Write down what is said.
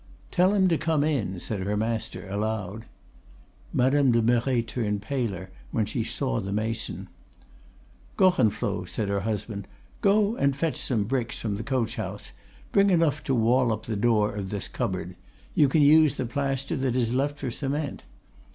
"'Tell him to come in,' said her master aloud. "Madame de Merret turned paler when she saw the mason. "'Gorenflot,' said her husband, 'go and fetch some bricks from the coach house; bring enough to wall up the door of this cupboard; you can use the plaster that is left for cement.